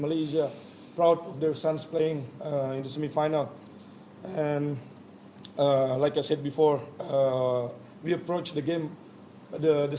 seperti yang saya katakan sebelumnya kami akan menarik semifinal seperti pertandingan lain